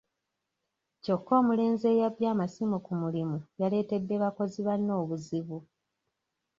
Kyokka omulenzi eyabbye amasimu ku mulimu yaletedde bakozi banne obuzibu.